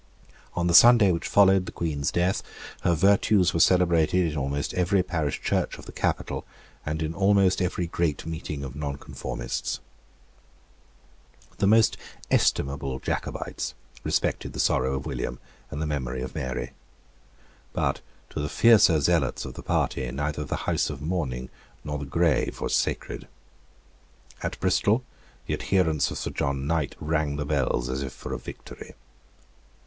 On the Sunday which followed the Queen's death her virtues were celebrated in almost every parish church of the Capital, and in almost every great meeting of nonconformists. The most estimable Jacobites respected the sorrow of William and the memory of Mary. But to the fiercer zealots of the party neither the house of mourning nor the grave was sacred. At Bristol the adherents of Sir John Knight rang the bells as if for a victory.